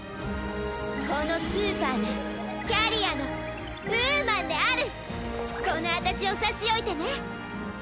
このスーパーなキャリアのウーマンであるこのあたちを差し置いてね。